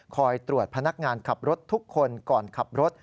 คอยตรวจพนักงานขับรถทุกคนก่อนขับรถ